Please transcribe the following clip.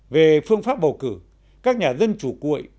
về phương pháp bầu cử các nhà dân chủ cuội